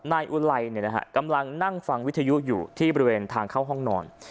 นายอุไลกำลังนั่งฟังวิทยุอยู่ที่บริเวณทางเข้าห้องนอน